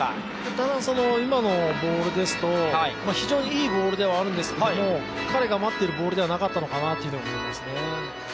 ただその今のボールですと、非常にいいボールではありますけれども、彼が待っているボールではなかったのかなと思いますね。